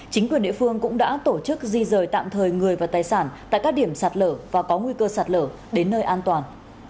chính quyền địa phương cũng đã tổ chức di rời tạm thời người và tài sản tại các điểm sạt lở và có nguy cơ sạt lở đến nơi an toàn